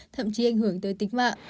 thậm chí ảnh hưởng tới tích mạng